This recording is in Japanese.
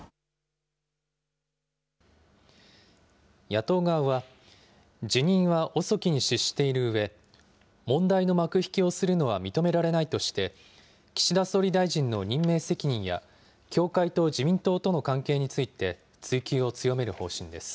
野党側は、辞任は遅きに失しているうえ、問題の幕引きをするのは認められないとして、岸田総理大臣の任命責任や、教会と自民党との関係について、追及を強める方針です。